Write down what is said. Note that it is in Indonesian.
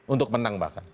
untuk menang bahkan